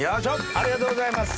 ありがとうございます